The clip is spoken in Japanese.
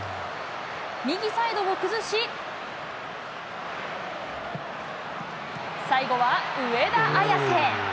右サイドを崩し、最後は上田綺世。